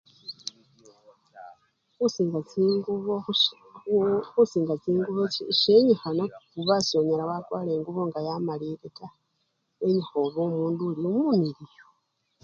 Khusinga chingubo khushi! khuu khusinga chingubo si! shenyikhana kakila sonyala wafwara engubo nga yamalile taa. Shenyikha obe omundu oli umumiliyu.